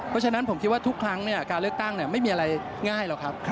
เพราะฉะนั้นผมคิดว่าทุกครั้งการเลือกตั้งไม่มีอะไรง่ายหรอกครับ